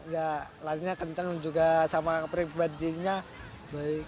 ya lainnya kencang juga sama pribadinya baik